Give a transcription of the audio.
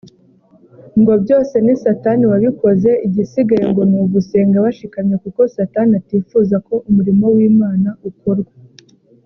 ngo byose ni satani wabikoze igisigaye ngo ni ugusenga bashikamye kuko satani atifuza ko umurimo w’Imana ukorwa